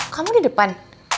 kamu di depan